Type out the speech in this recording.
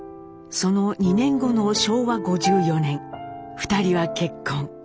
その２年後の昭和５４年２人は結婚。